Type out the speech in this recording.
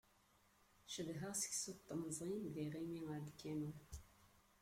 Cedhaɣ seksu n temẓin d yiɣimi ɣer lkanun.